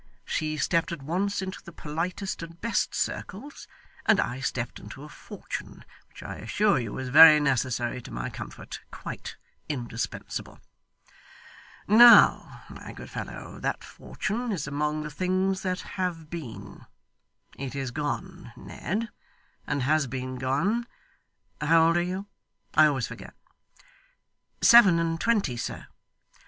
She stepped at once into the politest and best circles, and I stepped into a fortune which I assure you was very necessary to my comfort quite indispensable. Now, my good fellow, that fortune is among the things that have been. It is gone, Ned, and has been gone how old are you? I always forget.' 'Seven and twenty, sir.